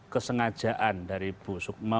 kesengajaan dari bu sukma